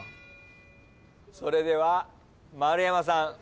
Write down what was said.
それでは丸山さん